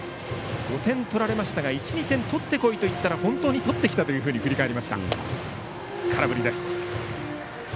５点取られましたが１、２点取ってこいと言ったら本当に取ってきたというふうに振り返りました。